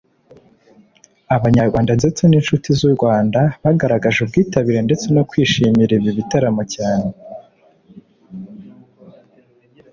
Abanyarwanda ndetse n’inshuti z’ u Rwanda bagaragaje ubwitabire ndetse no kwishimira ibi bitaramo cyane